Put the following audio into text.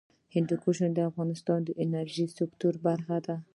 هندوکش د افغانستان د انرژۍ سکتور برخه ده.